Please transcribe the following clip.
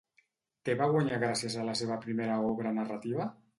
Què va guanyar gràcies a la seva primera obra narrativa?